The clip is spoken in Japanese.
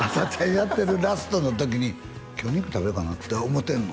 やってるラストの時に「今日肉食べようかな」って思てんの？